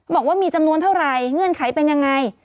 บอกว่ามีจำนวนเท่าไหร่เงื่อนไขเป็นยังไง